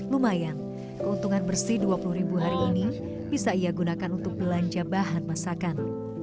lumayan keuntungan bersih dua puluh ribu hari ini bisa ia gunakan untuk belanja bahan masakan